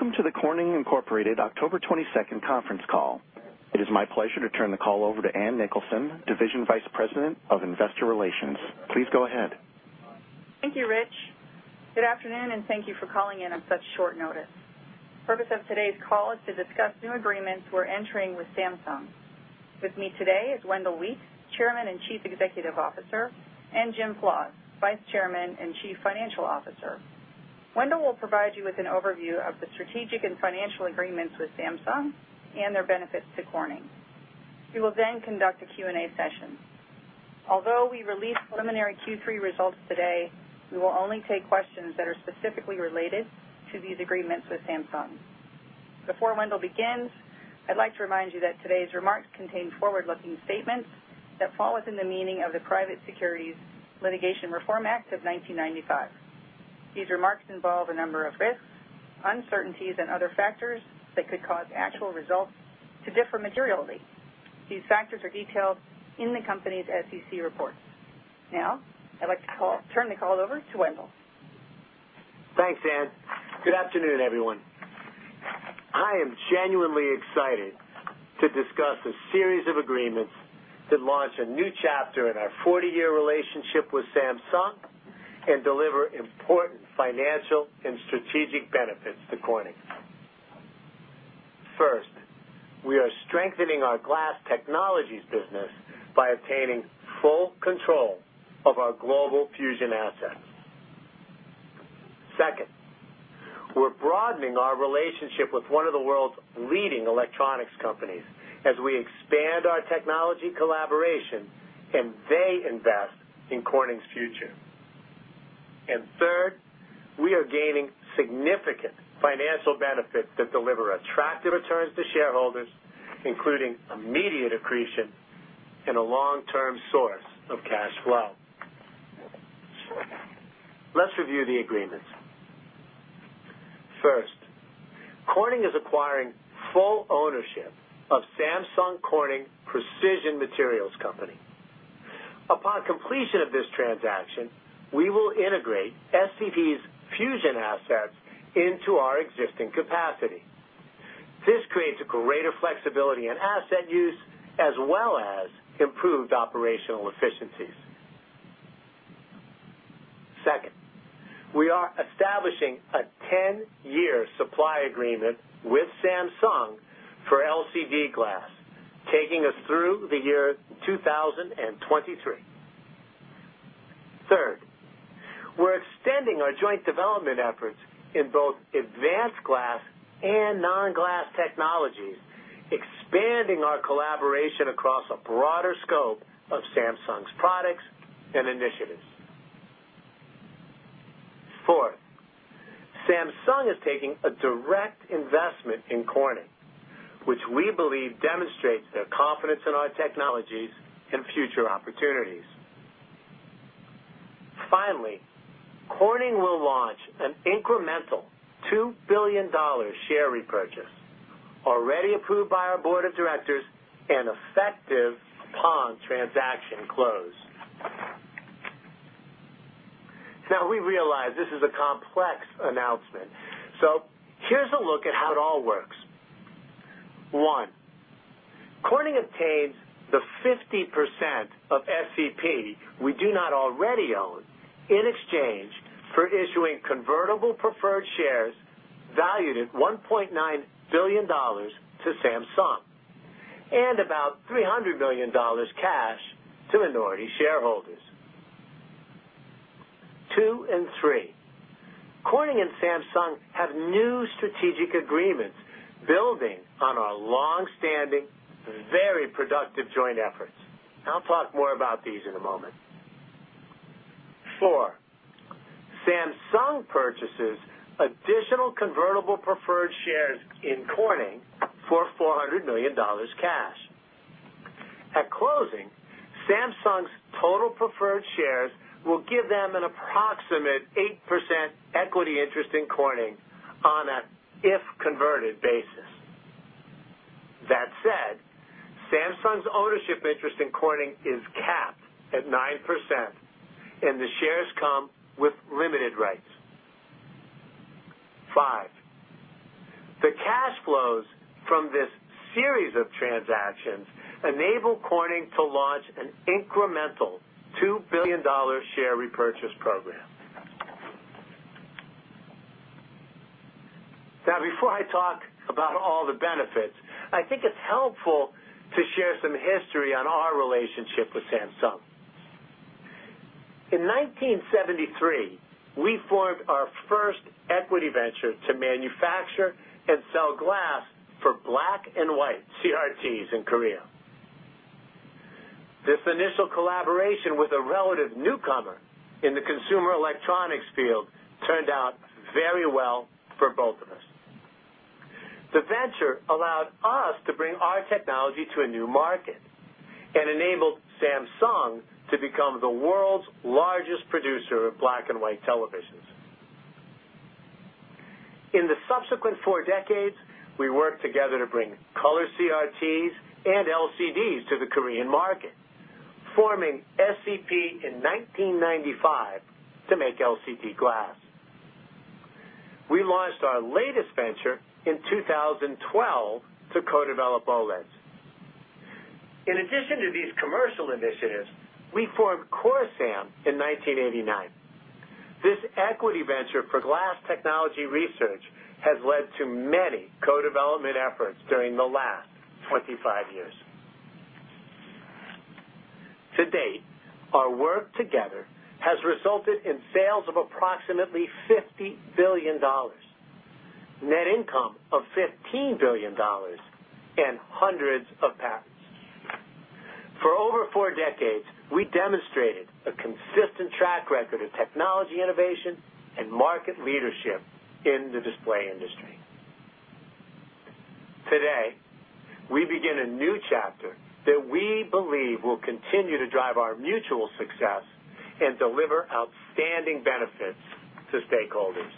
Welcome to the Corning Incorporated October 22nd conference call. It is my pleasure to turn the call over to Ann Nicholson, Division Vice President of Investor Relations. Please go ahead. Thank you, Rich. Good afternoon, and thank you for calling in on such short notice. Purpose of today's call is to discuss new agreements we're entering with Samsung. With me today is Wendell Weeks, Chairman and Chief Executive Officer, and Jim Flaws, Vice Chairman and Chief Financial Officer. Wendell will provide you with an overview of the strategic and financial agreements with Samsung and their benefits to Corning. We will conduct a Q&A session. Although we released preliminary Q3 results today, we will only take questions that are specifically related to these agreements with Samsung. Before Wendell begins, I'd like to remind you that today's remarks contain forward-looking statements that fall within the meaning of the Private Securities Litigation Reform Act of 1995. These remarks involve a number of risks, uncertainties, and other factors that could cause actual results to differ materially. These factors are detailed in the company's SEC report. Now, I'd like to turn the call over to Wendell. Thanks, Ann. Good afternoon, everyone. I am genuinely excited to discuss a series of agreements that launch a new chapter in our 40-year relationship with Samsung and deliver important financial and strategic benefits to Corning. First, we are strengthening our Glass Technologies business by obtaining full control of our global fusion assets. Second, we're broadening our relationship with one of the world's leading electronics companies as we expand our technology collaboration and they invest in Corning's future. Third, we are gaining significant financial benefits that deliver attractive returns to shareholders, including immediate accretion and a long-term source of cash flow. Let's review the agreements. First, Corning is acquiring full ownership of Samsung Corning Precision Materials. Upon completion of this transaction, we will integrate SCP's fusion assets into our existing capacity. This creates a greater flexibility in asset use, as well as improved operational efficiencies. Second, we are establishing a 10-year supply agreement with Samsung for LCD glass, taking us through the year 2023. Third, we're extending our joint development efforts in both advanced glass and non-glass technologies, expanding our collaboration across a broader scope of Samsung's products and initiatives. Fourth, Samsung is taking a direct investment in Corning, which we believe demonstrates their confidence in our technologies and future opportunities. Finally, Corning will launch an incremental $2 billion share repurchase, already approved by our board of directors and effective upon transaction close. We realize this is a complex announcement. Here's a look at how it all works. One, Corning obtains the 50% of SCP we do not already own in exchange for issuing convertible preferred shares valued at $1.9 billion to Samsung and about $300 million cash to minority shareholders. Two and three, Corning and Samsung have new strategic agreements building on our long-standing, very productive joint efforts. I'll talk more about these in a moment. Four, Samsung purchases additional convertible preferred shares in Corning for $400 million cash. At closing, Samsung's total preferred shares will give them an approximate 8% equity interest in Corning on a if converted basis. That said, Samsung's ownership interest in Corning is capped at 9%, and the shares come with limited rights. Five, the cash flows from this series of transactions enable Corning to launch an incremental $2 billion share repurchase program. Before I talk about all the benefits, I think it's helpful to share some history on our relationship with Samsung. In 1973, we formed our first equity venture to manufacture and sell glass for black and white CRTs in Korea. This initial collaboration with a relative newcomer in the consumer electronics field turned out very well for both of us. The venture allowed us to bring our technology to a new market and enabled Samsung to become the world's largest producer of black and white televisions. In the subsequent four decades, we worked together to bring color CRTs and LCDs to the Korean market. Forming SCP in 1995 to make LCD glass. We launched our latest venture in 2012 to co-develop OLEDs. In addition to these commercial initiatives, we formed Corsam in 1989. This equity venture for glass technology research has led to many co-development efforts during the last 25 years. To date, our work together has resulted in sales of approximately $50 billion, net income of $15 billion, and hundreds of patents. For over four decades, we demonstrated a consistent track record of technology innovation and market leadership in the display industry. Today, we begin a new chapter that we believe will continue to drive our mutual success and deliver outstanding benefits to stakeholders.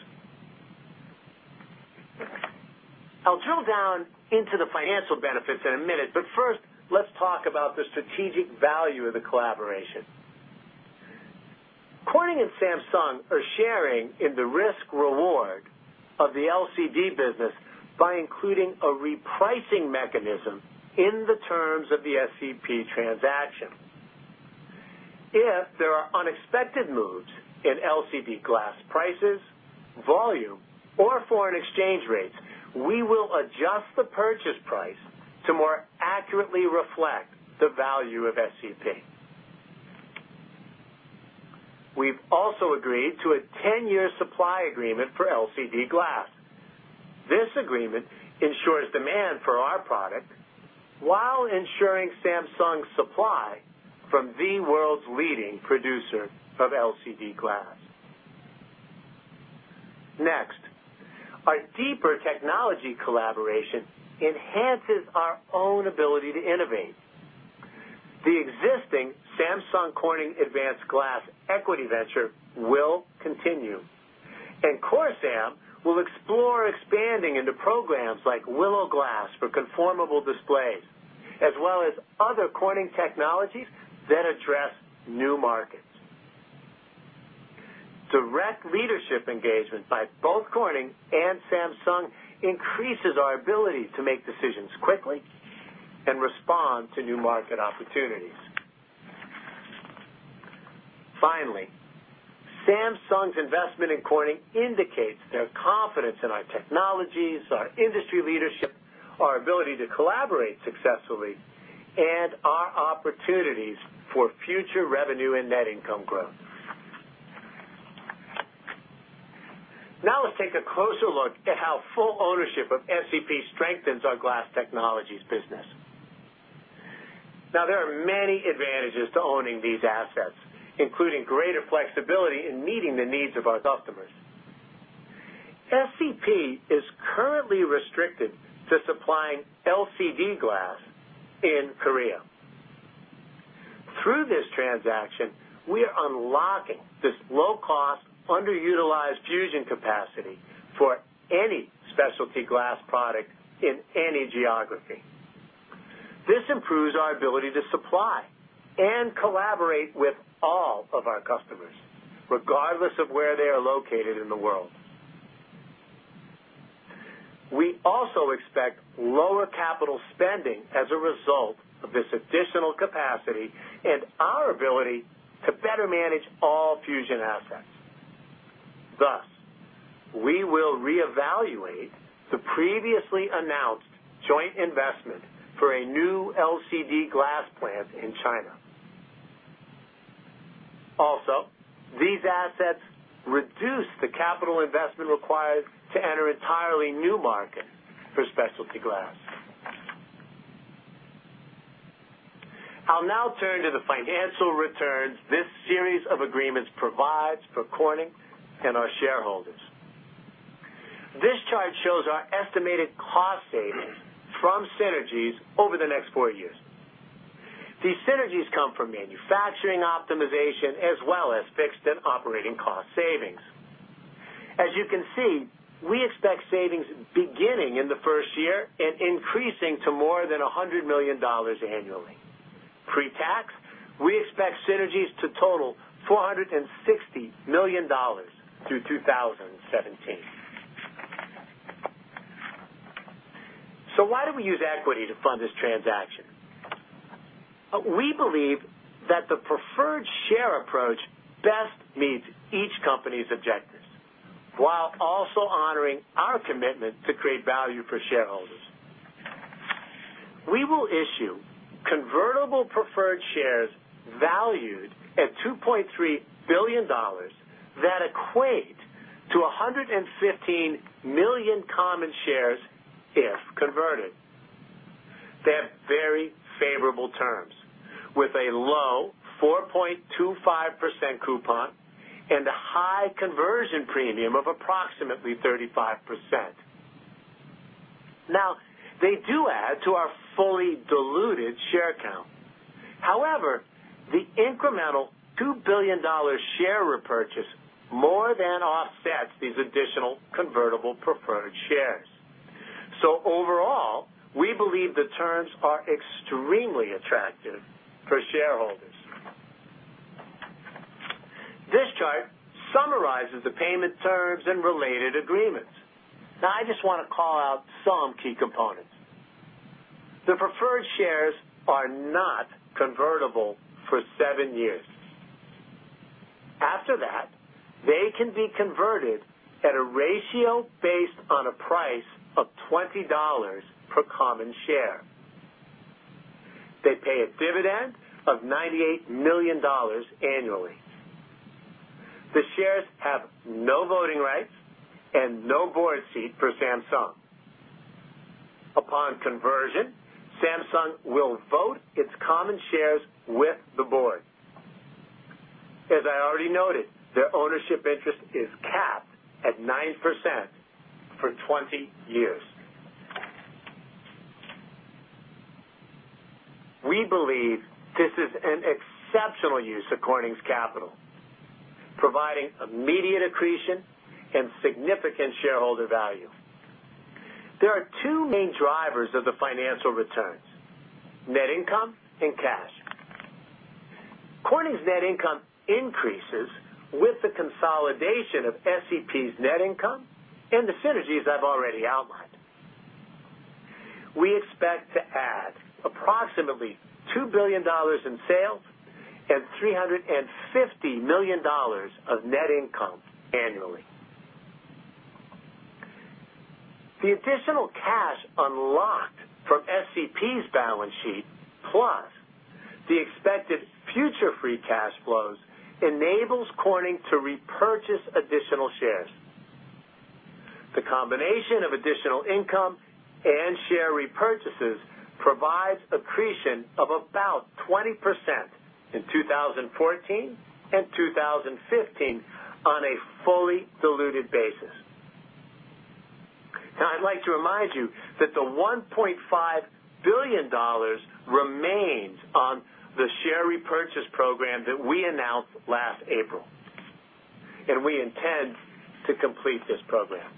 I'll drill down into the financial benefits in a minute. First, let's talk about the strategic value of the collaboration. Corning and Samsung are sharing in the risk-reward of the LCD business by including a repricing mechanism in the terms of the SCP transaction. If there are unexpected moves in LCD glass prices, volume, or foreign exchange rates, we will adjust the purchase price to more accurately reflect the value of SCP. We've also agreed to a 10-year supply agreement for LCD glass. This agreement ensures demand for our product while ensuring Samsung's supply from the world's leading producer of LCD glass. Our deeper technology collaboration enhances our own ability to innovate. The existing Samsung Corning Advanced Glass equity venture will continue, and CorSam will explore expanding into programs like Willow Glass for conformable displays, as well as other Corning technologies that address new markets. Direct leadership engagement by both Corning and Samsung increases our ability to make decisions quickly and respond to new market opportunities. Finally, Samsung's investment in Corning indicates their confidence in our technologies, our industry leadership, our ability to collaborate successfully, and our opportunities for future revenue and net income growth. Let's take a closer look at how full ownership of SCP strengthens our Glass Technologies business. There are many advantages to owning these assets, including greater flexibility in meeting the needs of our customers. SCP is currently restricted to supplying LCD glass in Korea. Through this transaction, we are unlocking this low-cost, underutilized fusion capacity for any specialty glass product in any geography. This improves our ability to supply and collaborate with all of our customers, regardless of where they are located in the world. We also expect lower capital spending as a result of this additional capacity and our ability to better manage all fusion assets. We will reevaluate the previously announced joint investment for a new LCD glass plant in China. These assets reduce the capital investment required to enter entirely new markets for specialty glass. I'll turn to the financial returns this series of agreements provides for Corning and our shareholders. This chart shows our estimated cost savings from synergies over the next four years. These synergies come from manufacturing optimization as well as fixed and operating cost savings. We expect savings beginning in the first year and increasing to more than $100 million annually. Pre-tax, we expect synergies to total $460 million through 2017. Why do we use equity to fund this transaction? We believe that the preferred share approach best meets each company's objectives while also honoring our commitment to create value for shareholders. We will issue convertible preferred shares valued at $2.3 billion that equate to 115 million common shares if converted. They're very favorable terms with a low 4.25% coupon and a high conversion premium of approximately 35%. They do add to our fully diluted share count. The incremental $2 billion share repurchase more than offsets these additional convertible preferred shares. We believe the terms are extremely attractive for shareholders. This chart summarizes the payment terms and related agreements. I just want to call out some key components. The preferred shares are not convertible for seven years. After that, they can be converted at a ratio based on a price of $20 per common share. They pay a dividend of $98 million annually. The shares have no voting rights and no board seat for Samsung. Upon conversion, Samsung will vote its common shares with the board. Their ownership interest is capped at 9% for 20 years. We believe this is an exceptional use of Corning's capital, providing immediate accretion and significant shareholder value. There are two main drivers of the financial returns, net income and cash. Corning's net income increases with the consolidation of SCP's net income and the synergies I've already outlined. We expect to add approximately $2 billion in sales and $350 million of net income annually. The additional cash unlocked from SCP's balance sheet, plus the expected future free cash flows, enables Corning to repurchase additional shares. The combination of additional income and share repurchases provides accretion of about 20% in 2014 and 2015 on a fully diluted basis. I'd like to remind you that the $1.5 billion remains on the share repurchase program that we announced last April, and we intend to complete this program.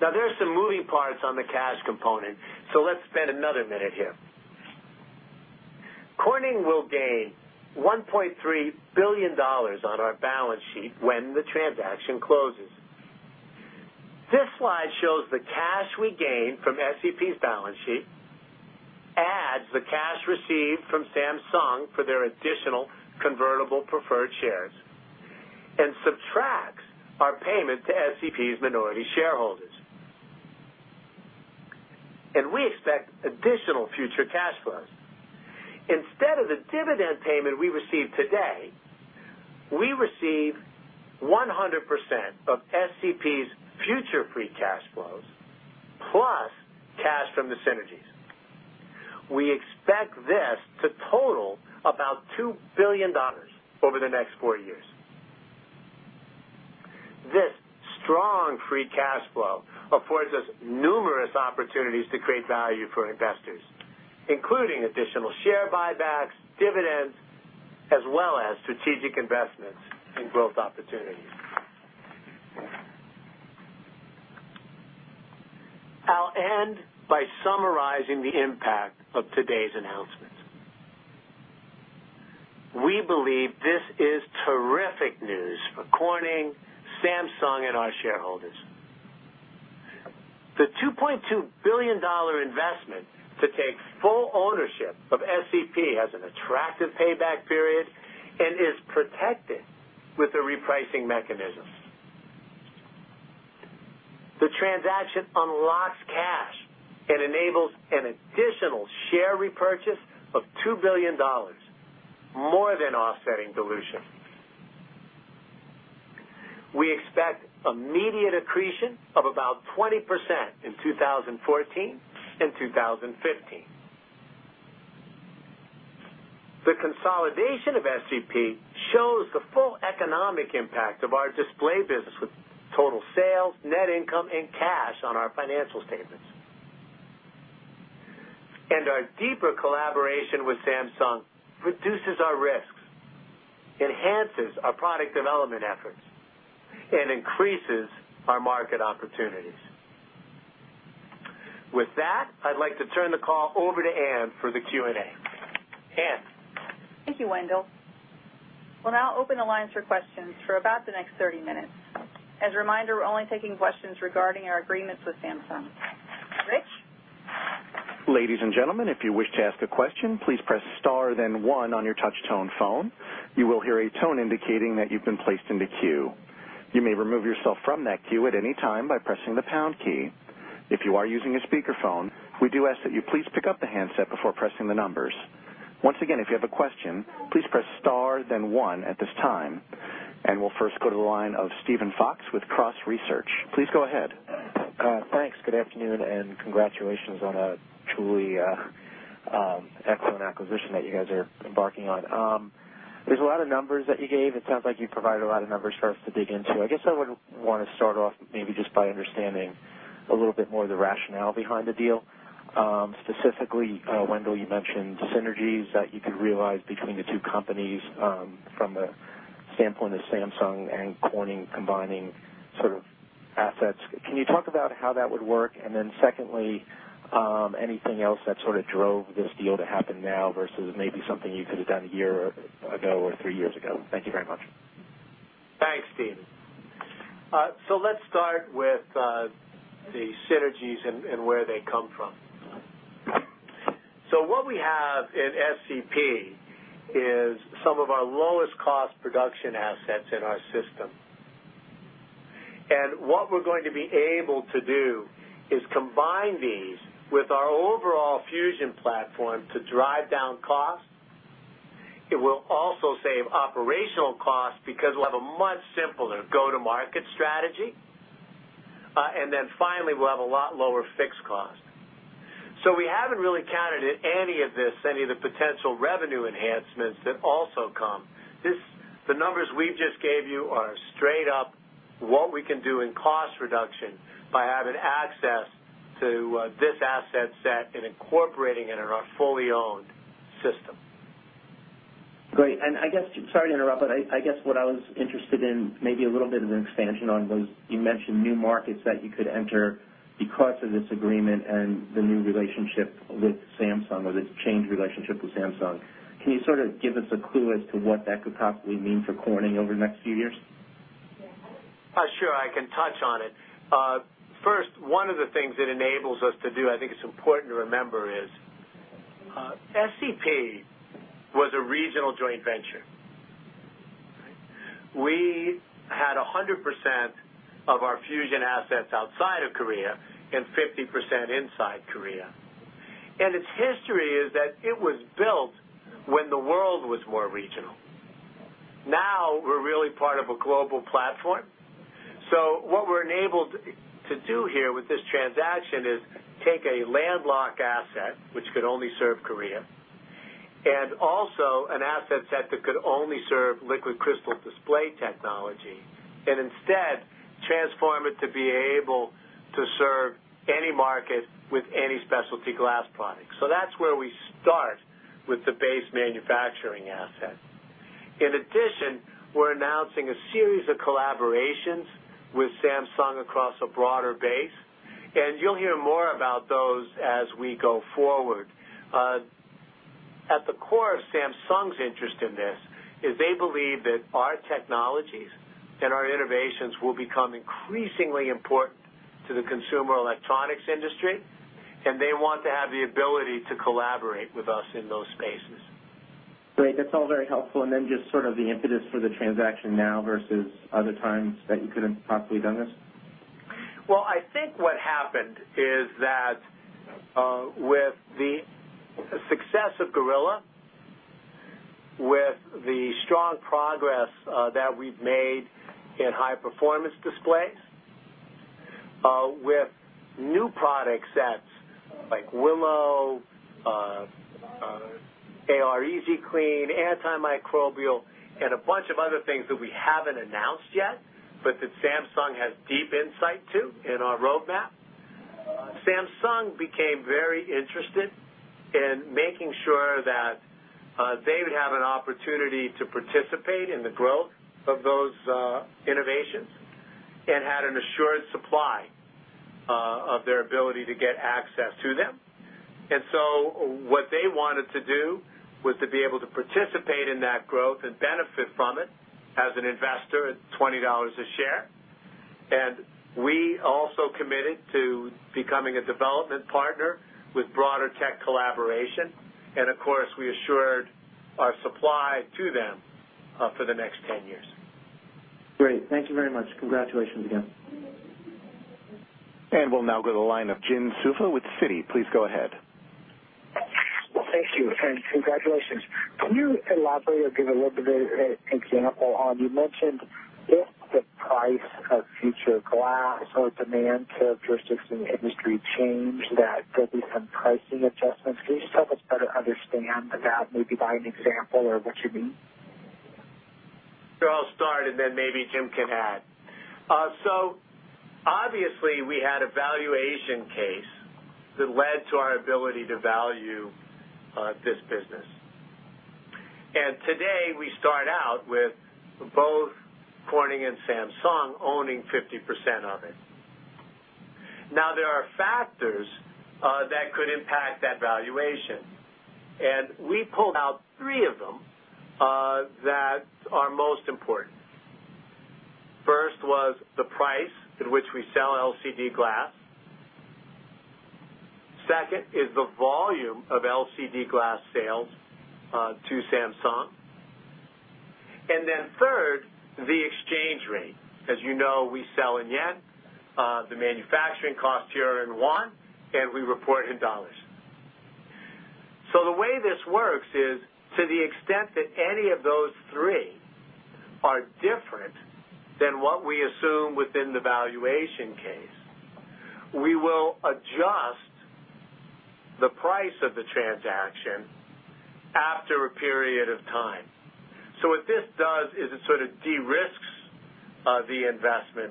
There are some moving parts on the cash component, let's spend another minute here. Corning will gain $1.3 billion on our balance sheet when the transaction closes. This slide shows the cash we gain from SCP's balance sheet, adds the cash received from Samsung for their additional convertible preferred shares, and subtracts our payment to SCP's minority shareholders. We expect additional future cash flows. Instead of the dividend payment we receive today, we receive 100% of SCP's future free cash flows plus cash from the synergies. We expect this to total about $2 billion over the next four years. This strong free cash flow affords us numerous opportunities to create value for investors, including additional share buybacks, dividends, as well as strategic investments in growth opportunities. I'll end by summarizing the impact of today's announcements. We believe this is terrific news for Corning, Samsung, and our shareholders. The $2.2 billion investment to take full ownership of SCP has an attractive payback period and is protected with a repricing mechanism. The transaction unlocks cash and enables an additional share repurchase of $2 billion, more than offsetting dilution. We expect immediate accretion of about 20% in 2014 and 2015. The consolidation of SCP shows the full economic impact of our display business with total sales, net income, and cash on our financial statements. Our deeper collaboration with Samsung reduces our risks, enhances our product development efforts, and increases our market opportunities. With that, I'd like to turn the call over to Ann for the Q&A. Ann. Thank you, Wendell. We'll now open the lines for questions for about the next 30 minutes. As a reminder, we're only taking questions regarding our agreements with Samsung. Rich? Ladies and gentlemen, if you wish to ask a question, please press star then one on your touch-tone phone. You will hear a tone indicating that you've been placed in the queue. You may remove yourself from that queue at any time by pressing the pound key. If you are using a speakerphone, we do ask that you please pick up the handset before pressing the numbers. Once again, if you have a question, please press star then one at this time, and we'll first go to the line of Steven Fox with Cross Research. Please go ahead. Thanks. Good afternoon, and congratulations on a truly excellent acquisition that you guys are embarking on. There's a lot of numbers that you gave. It sounds like you provided a lot of numbers for us to dig into. I guess I would want to start off maybe just by understanding a little bit more of the rationale behind the deal. Specifically, Wendell, you mentioned synergies that you could realize between the two companies from the standpoint is Samsung and Corning combining sort of assets. Can you talk about how that would work? Secondly, anything else that drove this deal to happen now versus maybe something you could've done a year ago or three years ago? Thank you very much. Thanks, Steve. Let's start with the synergies and where they come from. What we have in SCP is some of our lowest cost production assets in our system. What we're going to be able to do is combine these with our overall fusion platform to drive down costs. It will also save operational costs because we'll have a much simpler go-to-market strategy. Finally, we'll have a lot lower fixed cost. We haven't really counted in any of this, any of the potential revenue enhancements that also come. The numbers we just gave you are straight up what we can do in cost reduction by having access to this asset set and incorporating it in our fully-owned system. Great. I guess, sorry to interrupt, but I guess what I was interested in maybe a little bit of an expansion on was you mentioned new markets that you could enter because of this agreement and the new relationship with Samsung or this changed relationship with Samsung. Can you sort of give us a clue as to what that could possibly mean for Corning over the next few years? I can touch on it. First, one of the things it enables us to do, I think it's important to remember, is SCP was a regional joint venture. We had 100% of our fusion assets outside of Korea and 50% inside Korea. Its history is that it was built when the world was more regional. Now we're really part of a global platform. What we're enabled to do here with this transaction is take a landlocked asset, which could only serve Korea, and also an asset set that could only serve liquid crystal display technology, and instead transform it to be able to serve any market with any specialty glass products. That's where we start with the base manufacturing asset. In addition, we're announcing a series of collaborations with Samsung across a broader base, and you'll hear more about those as we go forward. At the core of Samsung's interest in this is they believe that our technologies and our innovations will become increasingly important to the consumer electronics industry, and they want to have the ability to collaborate with us in those spaces. Great. That's all very helpful. Then just sort of the impetus for the transaction now versus other times that you could've possibly done this. Well, I think what happened is that with the success of Gorilla, with the strong progress that we've made in high-performance displays, with new product sets like Willow, AR Easy Clean, antimicrobial, and a bunch of other things that we haven't announced yet, but that Samsung has deep insight to in our roadmap. Samsung became very interested in making sure that they would have an opportunity to participate in the growth of those innovations and had an assured supply of their ability to get access to them. What they wanted to do was to be able to participate in that growth and benefit from it as an investor at $20 a share. We also committed to becoming a development partner with broader tech collaboration. Of course, we assured our supply to them for the next 10 years. Great. Thank you very much. Congratulations again. We'll now go to the line of Jim Suva with Citi. Please go ahead. Thank you, and congratulations. Can you elaborate or give a little bit of an example on, you mentioned if the price of future glass or demand characteristics in the industry change, that there'll be some pricing adjustments. Can you just help us better understand that, maybe by an example of what you mean? Sure. I'll start, then maybe Jim can add. Obviously we had a valuation case that led to our ability to value this business. Today we start out with both Corning and Samsung owning 50% of it. Now, there are factors that could impact that valuation, and we pulled out 3 of them that are most important. First was the price at which we sell LCD glass. Second is the volume of LCD glass sales to Samsung. Third, the exchange rate. As you know, we sell in JPY, the manufacturing costs here are in KRW, and we report in $. The way this works is, to the extent that any of those 3 are different than what we assume within the valuation case, we will adjust the price of the transaction after a period of time. What this does is it sort of de-risks the investment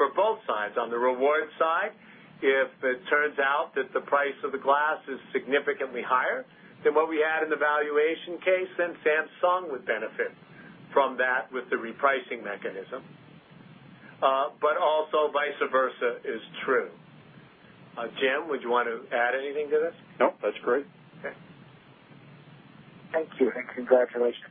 for both sides. On the reward side, if it turns out that the price of the glass is significantly higher than what we had in the valuation case, then Samsung would benefit from that with the repricing mechanism. Also vice versa is true. Jim, would you want to add anything to this? No, that's great. Okay. Thank you and congratulations.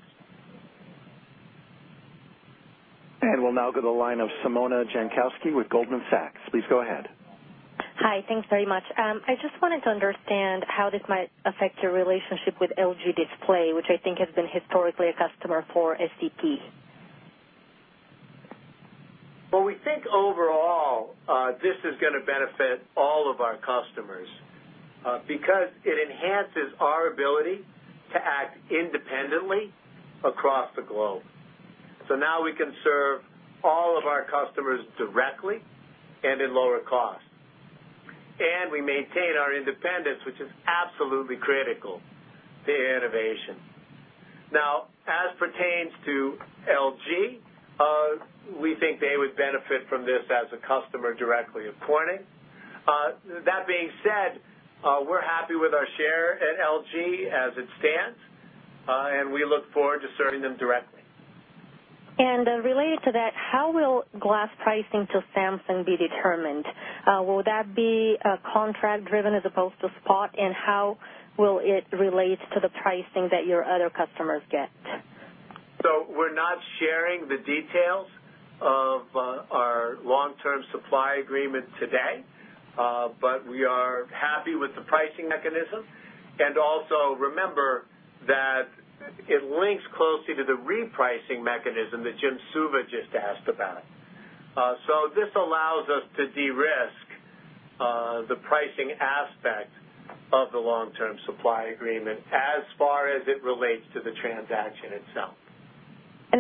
We'll now go to the line of Simona Jankowski with Goldman Sachs. Please go ahead. Hi. Thanks very much. I just wanted to understand how this might affect your relationship with LG Display, which I think has been historically a customer for SCP. Well, we think overall, this is going to benefit all of our customers, because it enhances our ability to act independently across the globe. Now we can serve all of our customers directly and at lower cost. We maintain our independence, which is absolutely critical to innovation. As pertains to LG, we think they would benefit from this as a customer directly of Corning. That being said, we're happy with our share at LG as it stands, and we look forward to serving them directly. Related to that, how will glass pricing to Samsung be determined? Will that be contract-driven as opposed to spot? How will it relate to the pricing that your other customers get? We're not sharing the details of our long-term supply agreement today. We are happy with the pricing mechanism. Also remember that it links closely to the repricing mechanism that Jim Suva just asked about. This allows us to de-risk the pricing aspect of the long-term supply agreement as far as it relates to the transaction itself.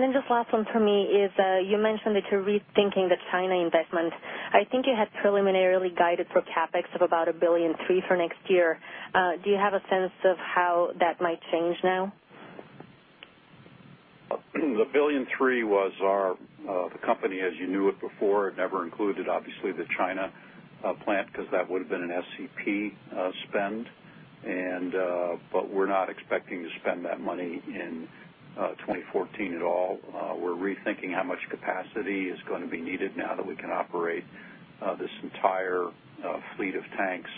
this last one for me is, you mentioned that you're rethinking the China investment. I think you had preliminarily guided for CapEx of about $1.3 billion for next year. Do you have a sense of how that might change now? The $1.3 billion was the company as you knew it before. It never included, obviously, the China plant, because that would've been an SCP spend. We're not expecting to spend that money in 2014 at all. We're rethinking how much capacity is going to be needed now that we can operate this entire fleet of tanks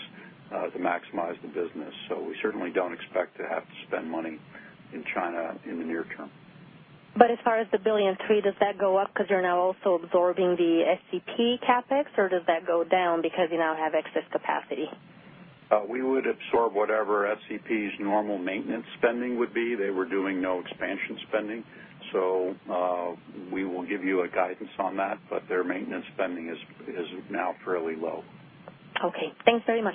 to maximize the business. We certainly don't expect to have to spend money in China in the near term. As far as the $1.3 billion, does that go up because you're now also absorbing the SCP CapEx or does that go down because you now have excess capacity? We would absorb whatever SCP's normal maintenance spending would be. They were doing no expansion spending. We will give you a guidance on that, but their maintenance spending is now fairly low. Okay. Thanks very much.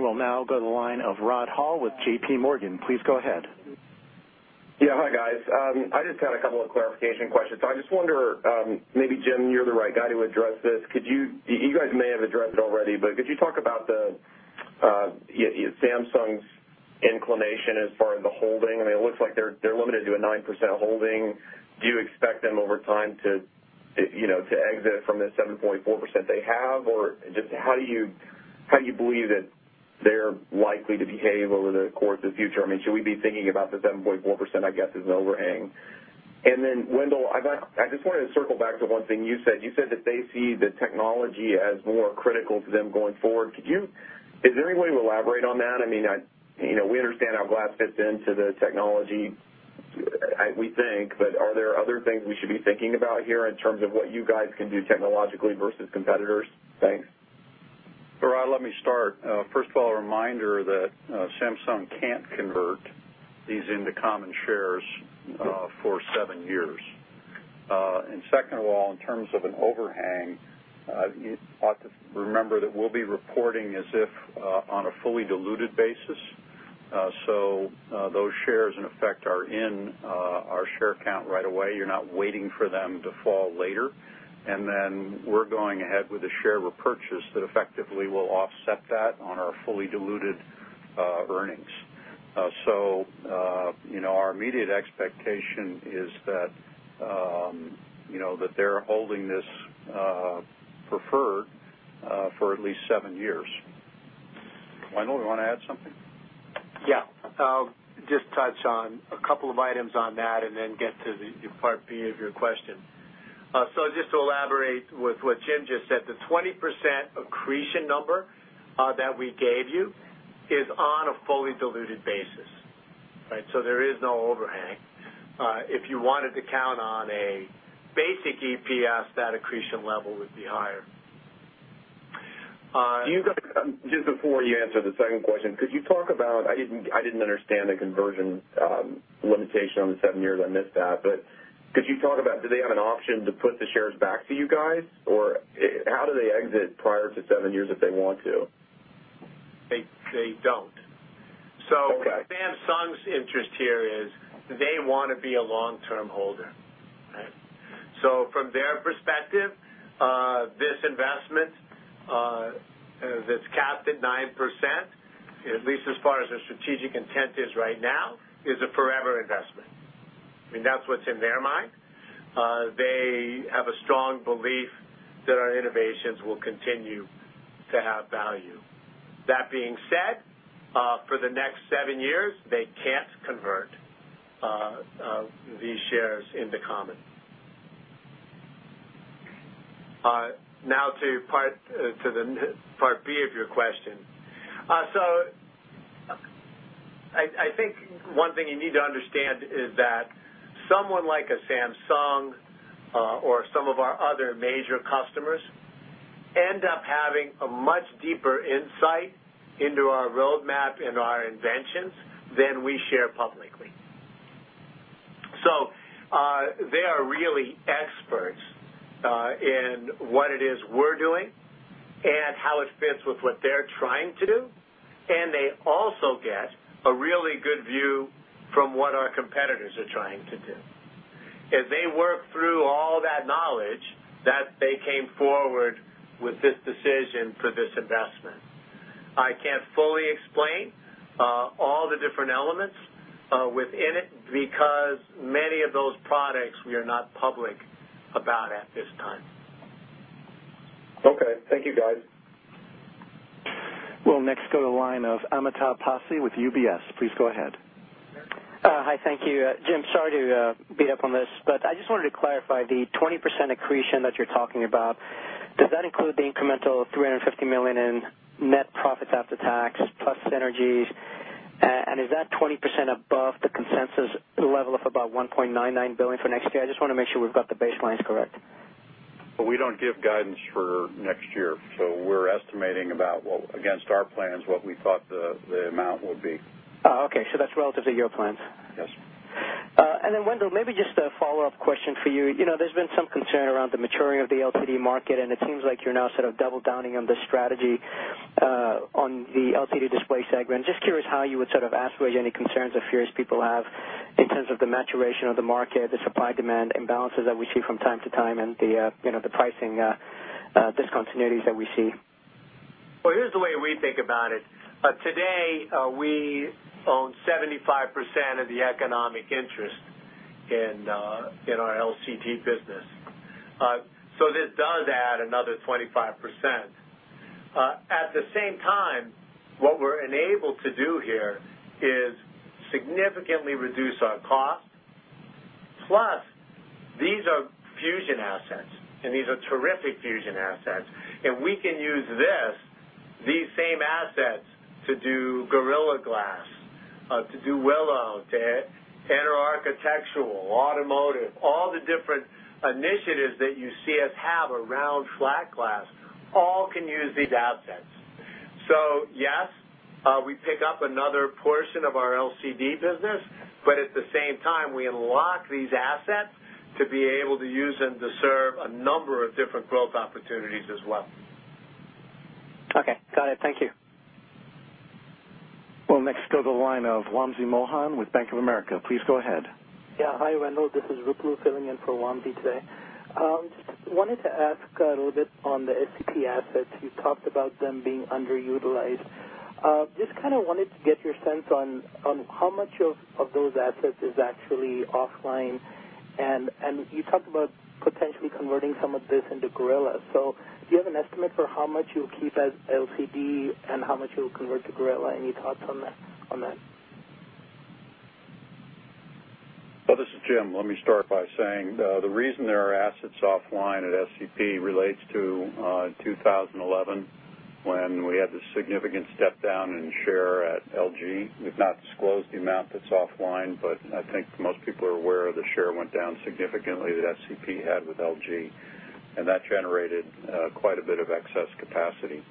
We'll now go to the line of Rod Hall with JPMorgan. Please go ahead. Yeah. Hi, guys. I just had a couple of clarification questions. I just wonder, maybe Jim, you're the right guy to address this. You guys may have addressed it already, but could you talk about Samsung's inclination as far as the holding? I mean, it looks like they're limited to a 9% holding. Do you expect them over time to exit from the 7.4% they have? Or just how do you believe that they're likely to behave over the course of future? I mean, should we be thinking about the 7.4%, I guess, as an overhang? Wendell, I just wanted to circle back to one thing you said. You said that they see the technology as more critical to them going forward. Is there any way to elaborate on that? I mean, we understand how glass fits into the technology, we think, but are there other things we should be thinking about here in terms of what you guys can do technologically versus competitors? Thanks. Rod, let me start. First of all, a reminder that Samsung can't convert these into common shares for seven years. Second of all, in terms of an overhang, you ought to remember that we'll be reporting as if on a fully diluted basis. Those shares, in effect, are in our share count right away. You're not waiting for them to fall later. Then we're going ahead with a share repurchase that effectively will offset that on our fully diluted earnings. Our immediate expectation is that they're holding this preferred for at least seven years. Wendell, you want to add something? Yeah. I'll just touch on a couple of items on that and then get to the part B of your question. Just to elaborate with what Jim just said, the 20% accretion number that we gave you is on a fully diluted basis. Right? There is no overhang. If you wanted to count on a basic EPS, that accretion level would be higher. Just before you answer the second question, could you talk about I didn't understand the conversion limitation on the seven years, I missed that. Could you talk about, do they have an option to put the shares back to you guys? How do they exit prior to seven years if they want to? They don't. Okay. Samsung's interest here is they want to be a long-term holder. Right? From their perspective, That's capped at 9%, at least as far as the strategic intent is right now, is a forever investment. That's what's in their mind. They have a strong belief that our innovations will continue to have value. That being said, for the next seven years, they can't convert these shares into common. Now to the part B of your question. I think one thing you need to understand is that someone like a Samsung, or some of our other major customers, end up having a much deeper insight into our roadmap and our inventions than we share publicly. They are really experts in what it is we're doing and how it fits with what they're trying to do, and they also get a really good view from what our competitors are trying to do. As they work through all that knowledge, that they came forward with this decision for this investment. I can't fully explain all the different elements within it because many of those products we are not public about at this time. Okay. Thank you, guys. We'll next go to the line of Amitabh Passi with UBS. Please go ahead. Hi, thank you. Jim, sorry to beat up on this, but I just wanted to clarify the 20% accretion that you're talking about, does that include the incremental $350 million in net profits after tax plus synergies? Is that 20% above the consensus level of about $1.99 billion for next year? I just want to make sure we've got the baselines correct. Well, we don't give guidance for next year. We're estimating about what, against our plans, what we thought the amount would be. Oh, okay. That's relative to your plans. Yes. Wendell, maybe just a follow-up question for you. There's been some concern around the maturing of the LCD market, and it seems like you're now sort of double downing on the strategy on the LCD display segment. Just curious how you would sort of assuage any concerns or fears people have in terms of the maturation of the market, the supply-demand imbalances that we see from time to time, and the pricing discontinuities that we see. Well, here's the way we think about it. Today, we own 75% of the economic interest in our LCD business. This does add another 25%. At the same time, what we're enabled to do here is significantly reduce our cost. Plus, these are fusion assets, and these are terrific fusion assets. We can use these same assets to do Gorilla Glass, to do Willow, to enter architectural, automotive, all the different initiatives that you see us have around flat glass, all can use these assets. Yes, we pick up another portion of our LCD business, but at the same time, we unlock these assets to be able to use them to serve a number of different growth opportunities as well. Okay. Got it. Thank you. We'll next go to the line of Wamsi Mohan with Bank of America. Please go ahead. Yeah. Hi, Wendell. This is Ruplu filling in for Wamsi today. Just wanted to ask a little bit on the SCP assets. You talked about them being underutilized. Just kind of wanted to get your sense on how much of those assets is actually offline, and you talked about potentially converting some of this into Gorilla. Do you have an estimate for how much you'll keep as LCD and how much you'll convert to Gorilla? Any thoughts on that? This is Jim. Let me start by saying the reason there are assets offline at SCP relates to 2011, when we had the significant step down in share at LG. We've not disclosed the amount that's offline, but I think most people are aware the share went down significantly that SCP had with LG, and that generated quite a bit of excess capacity.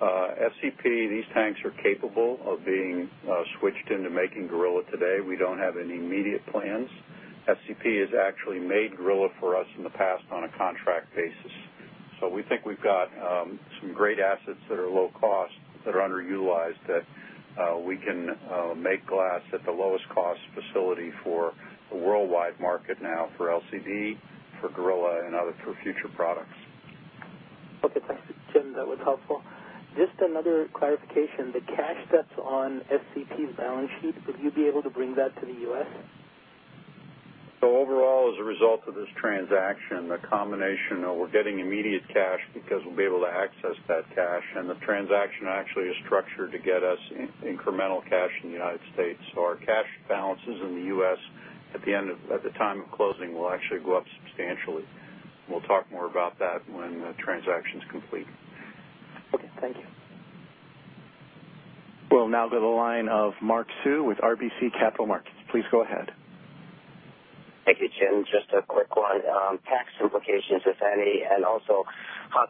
SCP, these tanks are capable of being switched into making Gorilla today. We don't have any immediate plans. SCP has actually made Gorilla for us in the past on a contract basis. We think we've got some great assets that are low cost that are underutilized that we can make glass at the lowest cost facility for a worldwide market now for LCD, for Gorilla, and for future products. Thanks, Jim. That was helpful. Just another clarification, the cash that's on SCP's balance sheet, would you be able to bring that to the U.S.? Overall, as a result of this transaction, the combination of we're getting immediate cash because we'll be able to access that cash, and the transaction actually is structured to get us incremental cash in the United States. Our cash balances in the U.S. at the time of closing will actually go up substantially. We'll talk more about that when the transaction's complete. Thank you. We'll now go to the line of Mitch Steves with RBC Capital Markets. Please go ahead. Thank you. Jim, just a quick one on tax implications, if any, and also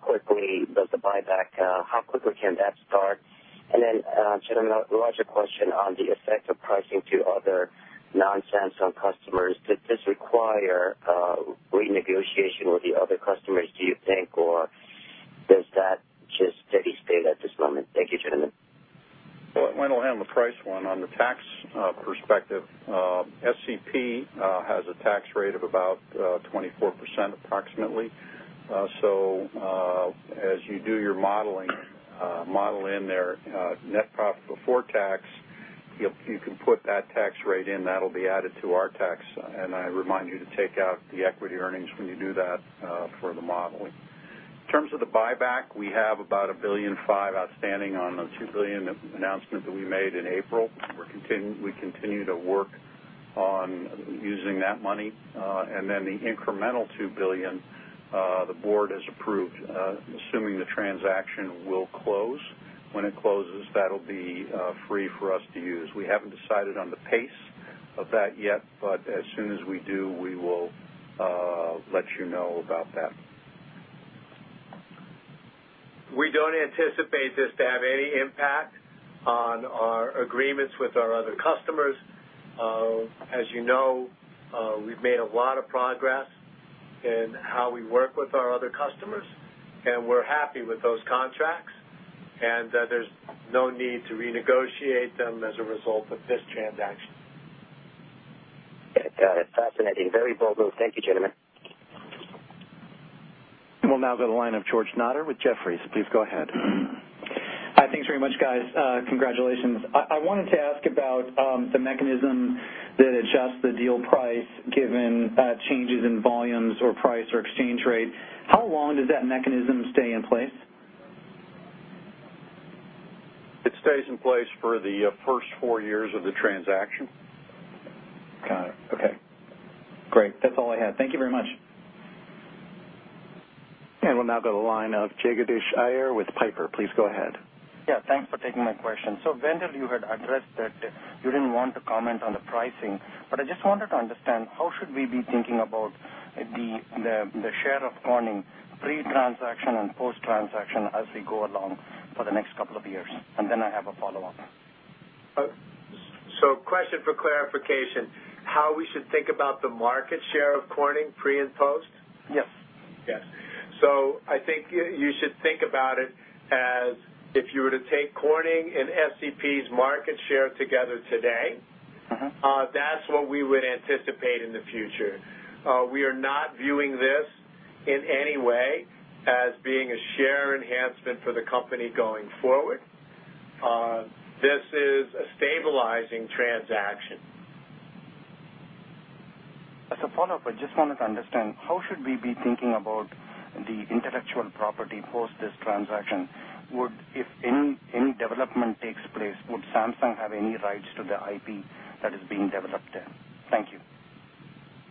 the buyback, how quickly can that start? Jim, a larger question on the effect of pricing to other non-Samsung customers. Does this require renegotiation with the other customers, do you think, or does that just steady state at this moment? Wendell, on the price one, on the tax perspective, SCP has a tax rate of about 24%, approximately. As you do your modeling, model in their net profit before tax, you can put that tax rate in. That'll be added to our tax, and I remind you to take out the equity earnings when you do that for the modeling. In terms of the buyback, we have about $1.5 billion outstanding on the $2 billion announcement that we made in April. We continue to work on using that money. The incremental $2 billion, the board has approved, assuming the transaction will close. When it closes, that'll be free for us to use. We haven't decided on the pace of that yet. As soon as we do, we will let you know about that. We don't anticipate this to have any impact on our agreements with our other customers. As you know, we've made a lot of progress in how we work with our other customers, and we're happy with those contracts, and there's no need to renegotiate them as a result of this transaction. Got it. Fascinating. Very bold move. Thank you, gentlemen. We'll now go to the line of George Notter with Jefferies. Please go ahead. Hi. Thanks very much, guys. Congratulations. I wanted to ask about the mechanism that adjusts the deal price given changes in volumes or price or exchange rate. How long does that mechanism stay in place? It stays in place for the first four years of the transaction. Got it. Okay. Great. That's all I had. Thank you very much. We'll now go to the line of Jagadish Iyer with Piper. Please go ahead. Yeah. Thanks for taking my question. Wendell, you had addressed that you didn't want to comment on the pricing, but I just wanted to understand how should we be thinking about the share of Corning pre-transaction and post-transaction as we go along for the next couple of years? Then I have a follow-up. Question for clarification how we should think about the market share of Corning pre and post? Yes. Yes. I think you should think about it as if you were to take Corning and SCP's market share together today. that's what we would anticipate in the future. We are not viewing this in any way as being a share enhancement for the company going forward. This is a stabilizing transaction. As a follow-up, I just wanted to understand, how should we be thinking about the intellectual property post this transaction? If any development takes place, would Samsung have any rights to the IP that is being developed there? Thank you.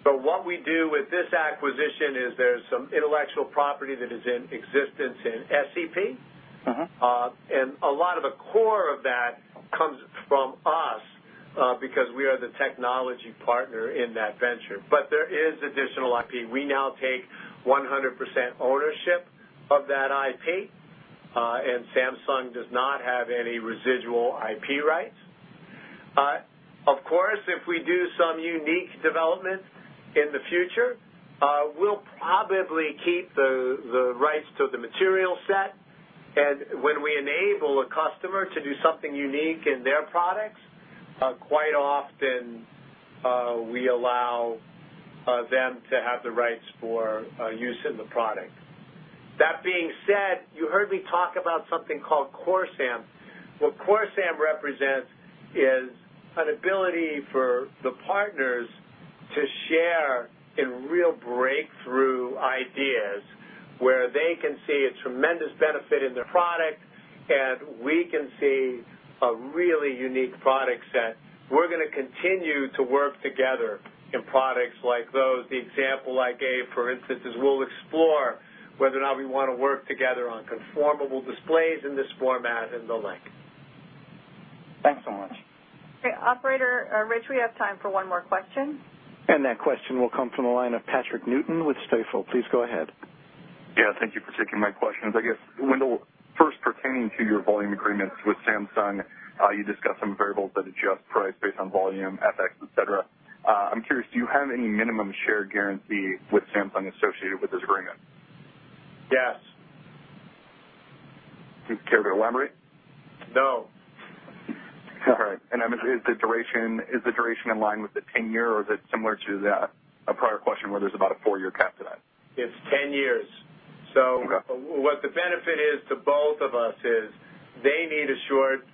What we do with this acquisition is there's some intellectual property that is in existence in SCP. A lot of the core of that comes from us, because we are the technology partner in that venture. There is additional IP. We now take 100% ownership of that IP, and Samsung does not have any residual IP rights. Of course, if we do some unique development in the future, we'll probably keep the rights to the material set, and when we enable a customer to do something unique in their products, quite often, we allow them to have the rights for use in the product. That being said, you heard me talk about something called Corsam. What Corsam represents is an ability for the partners to share in real breakthrough ideas where they can see a tremendous benefit in their product, and we can see a really unique product set. We're gonna continue to work together in products like those. The example I gave, for instance, is we'll explore whether or not we want to work together on conformable displays in this format and the like. Thanks so much. Okay, operator, or Rich, we have time for one more question. That question will come from the line of Patrick Newton with Stifel. Please go ahead. Yeah. Thank you for taking my questions. I guess, Wendell, first pertaining to your volume agreements with Samsung, you discussed some variables that adjust price based on volume, FX, et cetera. I'm curious, do you have any minimum share guarantee with Samsung associated with this agreement? Yes. Can you elaborate? No. All right. Is the duration in line with the 10-year, or is it similar to that prior question where there's about a four-year cap to that? It's 10 years. Okay. What the benefit is to both of us is they need assured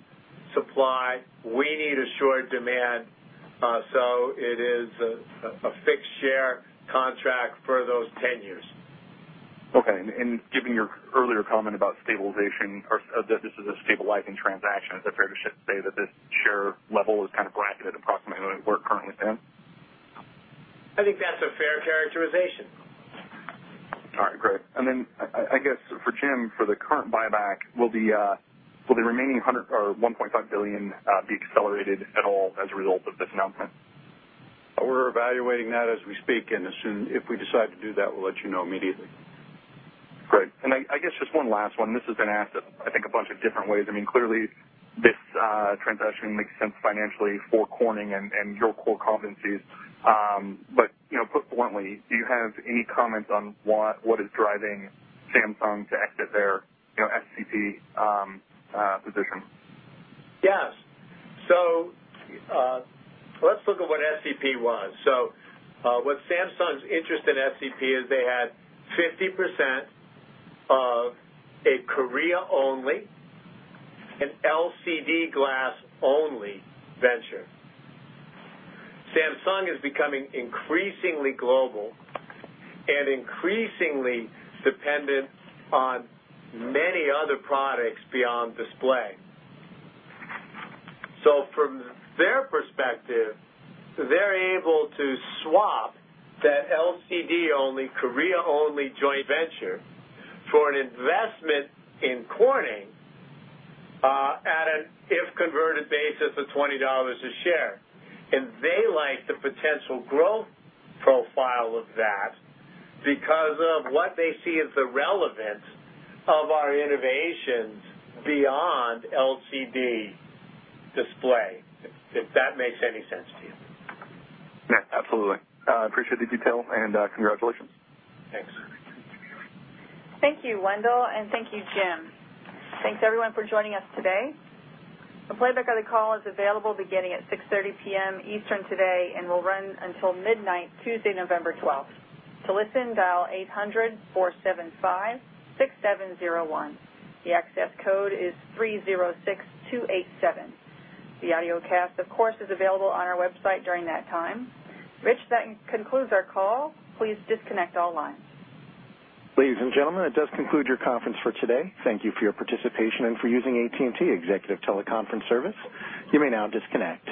supply, we need assured demand. It is a fixed-share contract for those 10 years. Okay. Given your earlier comment about stabilization, or that this is a stabilizing transaction, is it fair to say that this share level is kind of bracketed approximately where it currently is? I think that's a fair characterization. All right, great. I guess for Jim, for the current buyback, will the remaining $1.5 billion be accelerated at all as a result of this announcement? We're evaluating that as we speak, if we decide to do that, we'll let you know immediately. Great. I guess just one last one, this has been asked I think a bunch of different ways. Clearly, this transaction makes sense financially for Corning and your core competencies. Put bluntly, do you have any comments on what is driving Samsung to exit their SCP position? Let's look at what SCP was. What Samsung's interest in SCP is they had 50% of a Korea-only, an LCD glass-only venture. Samsung is becoming increasingly global and increasingly dependent on many other products beyond display. From their perspective, they're able to swap that LCD-only, Korea-only joint venture for an investment in Corning at an, if converted basis, of $20 a share. They like the potential growth profile of that because of what they see as the relevance of our innovations beyond LCD display, if that makes any sense to you. Yeah, absolutely. I appreciate the detail, and congratulations. Thanks. Thank you, Wendell, and thank you, Jim. Thanks everyone for joining us today. A playback of the call is available beginning at 6:30 P.M. Eastern today and will run until midnight Tuesday, November 12th. To listen, dial 800-475-6701. The access code is 306287. The audiocast, of course, is available on our website during that time. Rich, that concludes our call. Please disconnect all lines. Ladies and gentlemen, that does conclude your conference for today. Thank you for your participation and for using AT&T Executive Teleconference Service. You may now disconnect.